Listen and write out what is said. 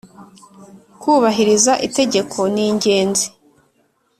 Kubahiriza Itegeko ningenzi.